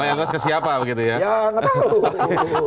loyalitas ke siapa begitu ya ya ngetahu